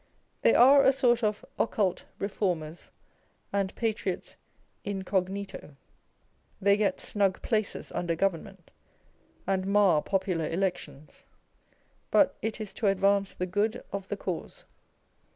They are a sort of occult reformers, and patriots incognito. They get snug places under Government, and mar popular Elections â€" but it is to advance the good of the cause.